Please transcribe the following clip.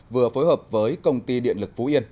vừa phối hợp với công ty điện lực phú yên